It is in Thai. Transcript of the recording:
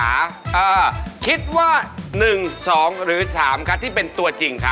อ้าวคิดว่า๑๒หรือ๓คะที่เป็นตัวจริงคะ